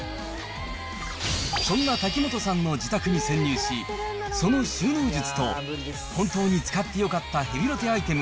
そんな瀧本さんの自宅に潜入し、その収納術と本当に使ってよかったヘビロテアイテム